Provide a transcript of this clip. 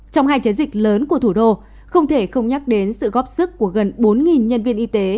trong hai chiến dịch lớn của thủ đô không thể không nhắc đến sự góp sức của gần bốn nhân viên y tế